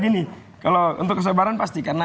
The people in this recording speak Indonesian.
gini kalau untuk kesabaran pasti karena